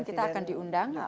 kita akan diundang